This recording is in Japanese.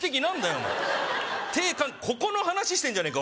お前ここの話してんじゃねえか